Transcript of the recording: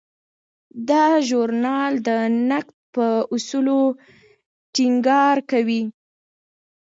دا ژورنال د نقد په اصولو ټینګار کوي.